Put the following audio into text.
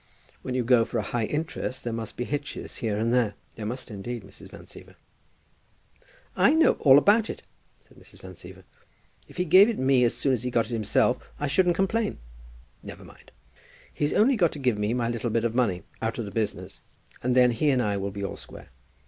When you go for high interest, there must be hitches here and there. There must, indeed, Mrs. Van Siever." "I know all about it," said Mrs. Van Siever. "If he gave it me as soon as he got it himself, I shouldn't complain. Never mind. He's only got to give me my little bit of money out of the business, and then he and I will be all square.